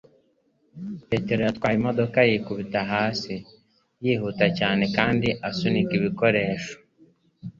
Petero yatwaye imodoka yikubita hasi, yihuta cyane kandi asunika ibikoresho